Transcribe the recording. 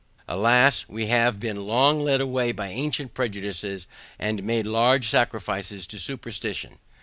Alas, we have been long led away by ancient prejudices, and made large sacrifices to superstition.